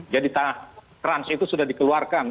jadi kerans itu sudah dikeluarkan